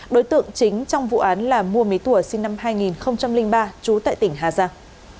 đối tượng chính trong vụ án là mua mỹ tùa sinh năm hai nghìn ba trú tại tỉnh hà giang